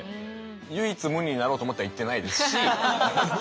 唯一無二になろうと思っては行ってないですし。